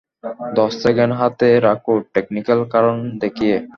দশ সেকেন্ড হাতে রাখো টেকনিক্যাল কারণ দেখিয়ে।